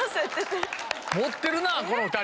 持ってるなぁこの２人。